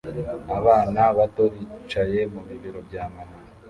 Abana bato bicaye mu bibero bya mama